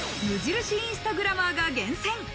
無印インスタグラマーが厳選。